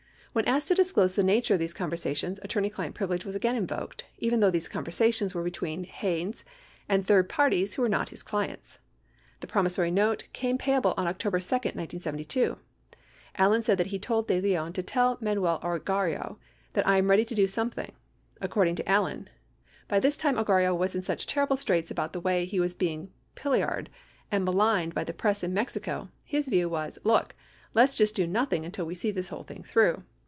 When asked to disclose the nature of these conversations, attorney client privilege was again invoked, even though these conversations were between Haynes and third parties who were not his clients. The promis sory note came payable on October 2, 1972. Allen said that he told De Leon to "tell Manuel Ogarrio that I am ready to do something." According to Allen : By this time Ogarrio was in such terrible straits about the way he was being pillaried and maligned by the press in Mex ico, his view was, look, let's just do nothing until we see this whole thing through.